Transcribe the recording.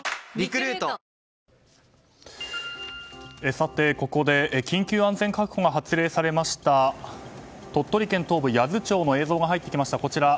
さて、ここで緊急安全確保が発令されました鳥取県東部八頭町の映像が入ってきました。